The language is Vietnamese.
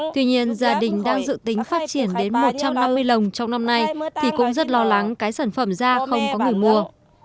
tuy nhiên gia đình đang dự tính phát triển đến một trăm năm mươi lồng trong năm nay thì cũng rất lo lắng cái sản phẩm ra không có người mua